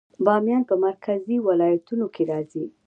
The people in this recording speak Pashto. بامیان په مرکزي ولایتونو کې راځي